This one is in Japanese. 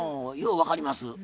よう分かります。